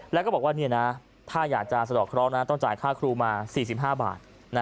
แล้วก็บอกว่าถ้าอยากจะสะดอกเคราะห์ต้องจ่ายค่าครูมา๔๕บาท